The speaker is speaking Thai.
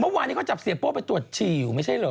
เมื่อวานเขาจับเสียบโปไปตรวจชีวไม่ใช่เหรอ